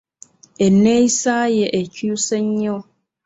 Enneeyisa ye ekyuse nnyo.